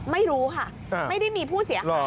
ไม่รู้ค่ะไม่ได้มีผู้เสียหาย